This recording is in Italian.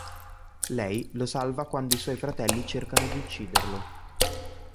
Lei lo salva quando i suoi fratelli cercano di ucciderlo.